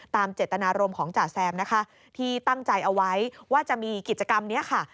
เจตนารมณ์ของจ่าแซมนะคะที่ตั้งใจเอาไว้ว่าจะมีกิจกรรมนี้ค่ะ